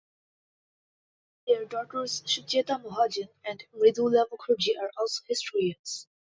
Their daughters Sucheta Mahajan and Mridula Mukherjee are also historians.